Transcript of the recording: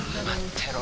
てろ